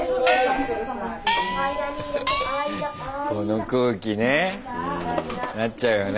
この空気ねなっちゃうよね。